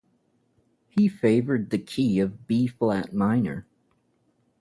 He favored the key of B-flat minor.